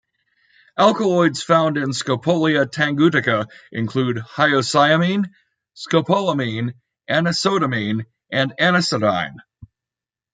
Alkaloids found in "Scopolia tangutica" include hyoscyamine, scopolamine, anisodamine, and anisodine.